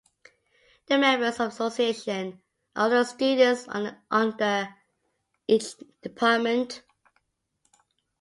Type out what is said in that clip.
The members of the association are all the students under each department.